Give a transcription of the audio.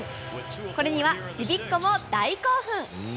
これには、ちびっこも大興奮。